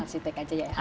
arsitek aja ya